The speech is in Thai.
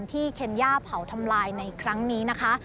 เคนย่าเผาทำลายในครั้งนี้นะคะ